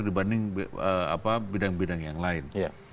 dibanding bidang bidang yang lain